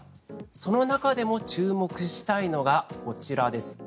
その中でも注目したいのがこちらです